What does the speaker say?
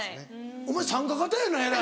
お前参加型やなえらい。